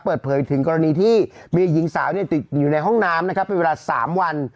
เปิดเผยถึงกรณีที่มีหญิงสาวติดอยู่ในห้องน้ำนะครับเป็นเวลา๓วัน